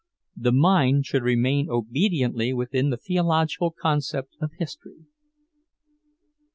The mind should remain obediently within the theological concept of history.